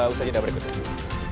usaha ijeda berikutnya